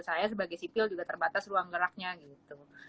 saya sebagai sipil juga terbatas ruang geraknya gitu